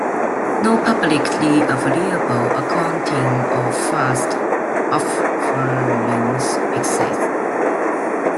No publicly available accounting of fast offerings exists.